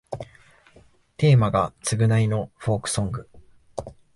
テーマが償いのフォークソング